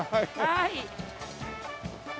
はい。